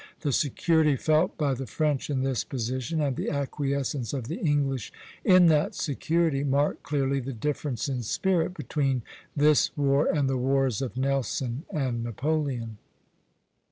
The security felt by the French in this position, and the acquiescence of the English in that security, mark clearly the difference in spirit between this war and the wars of Nelson and Napoleon.